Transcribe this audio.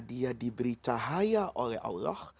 dia diberi cahaya oleh allah